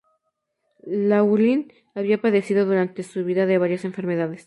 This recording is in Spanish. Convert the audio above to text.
Laughlin había padecido durante su vida de varias enfermedades.